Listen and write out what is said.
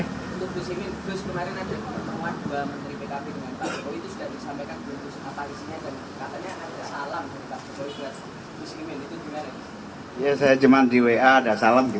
untuk gus imin gus kemarin ada pertemuan juga menteri bkp dengan pak jokowi